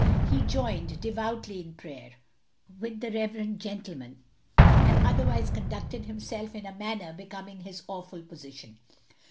He joined devoutly in prayer with the rev. gentleman, and otherwise conducted himself in a manner becoming his awful position.